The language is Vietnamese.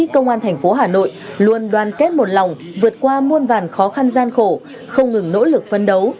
công an thành phố hà nội luôn đoàn kết một lòng vượt qua muôn vàn khó khăn gian khổ không ngừng nỗ lực phân đấu